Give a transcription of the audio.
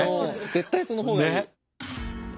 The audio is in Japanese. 絶対その方がいい。